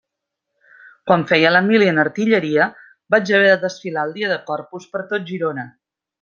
Quan feia la mili en artilleria vaig haver de desfilar el dia de Corpus per tot Girona.